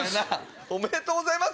おめでとうございます！